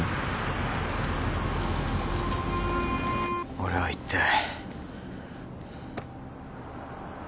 俺はいったい。